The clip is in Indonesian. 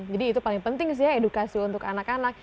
jadi itu paling penting sih ya edukasi untuk anak anak